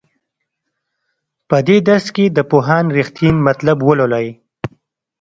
په دې درس کې د پوهاند رښتین مطلب ولولئ.